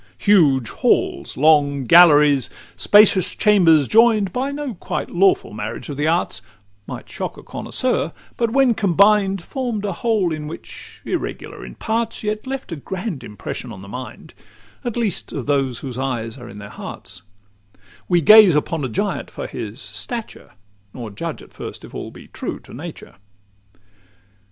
LXVII Huge halls, long galleries, spacious chambers, join'd By no quite lawful marriage of the arts, Might shock a connoisseur; but when combined, Form'd a whole which, irregular in parts, Yet left a grand impression on the mind, At least of those whose eyes are in their hearts: We gaze upon a giant for his stature, Nor judge at first if all be true to nature.